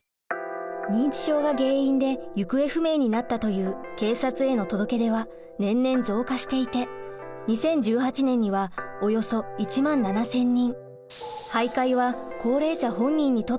認知症が原因で行方不明になったという警察への届け出は年々増加していて２０１８年にはおよそ１万７，０００人。